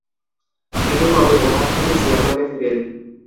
তিনি কবে উহান থেকে সিয়াটলে ফেরেন?